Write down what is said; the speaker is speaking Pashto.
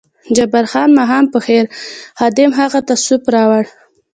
جبار خان: ماښام په خیر، خادم هغه ته سوپ راوړ.